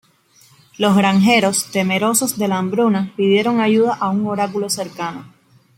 Los granjeros, temerosos de la hambruna, pidieron ayuda a un oráculo cercano.